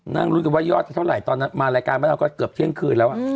นั่งรู้กันว่ายอดเท่าไหร่ตอนนั้นมารายการก็เกือบเที่ยงคืนแล้ว